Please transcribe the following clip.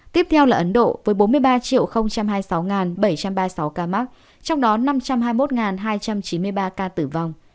tiếp theo là ấn độ với bốn mươi ba hai mươi sáu bảy trăm ba mươi sáu ca mắc trong đó năm trăm hai mươi một hai trăm chín mươi ba ca tử vong